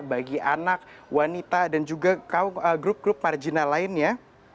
bagi anak wanita dan juga grup grup marginal lainnya